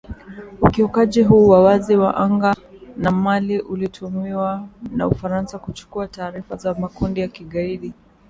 Ukiukaji huu wa wazi wa anga ya Mali ulitumiwa na Ufaransa kuchukua taarifa za makundi ya kigaidi